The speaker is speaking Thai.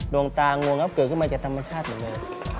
ดวงตางวงครับเกิดขึ้นมาจากธรรมชาติเหมือนกัน